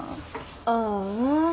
ああ。